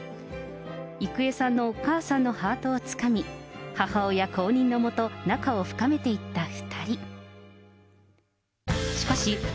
郁恵さんのお母さんのハートをつかみ、母親公認のもと、仲を深めていった２人。